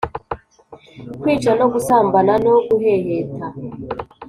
kwica no gusambana no guheheta